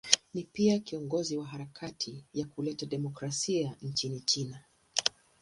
Ni pia kiongozi wa harakati ya kuleta demokrasia nchini China.